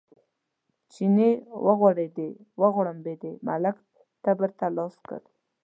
چیني وغورېد، وغړمبېد، ملک تبر ته لاس کړ.